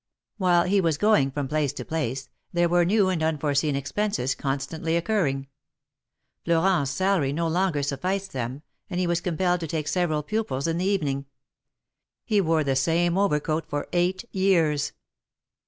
While he was going from place to place, there were new and unforeseen expenses constantly occurring. Florent's salary no longer sufficed them, and he was compelled to take several pupils in the evening. He wore the same overcoat for eight years.